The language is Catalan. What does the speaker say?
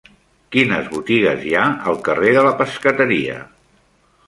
Quines botigues hi ha al carrer de la Pescateria?